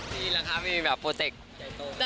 ดีแล้วค่ะมีแบบโปรเต็กต์ใจโต